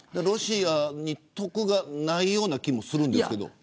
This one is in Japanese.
ロシアに得がないような気もするんですけど。